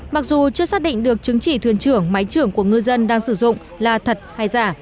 mặc dù chưa xác định được chứng chỉ thuyền trưởng máy trưởng của ngư dân đang sử dụng là thật hay giả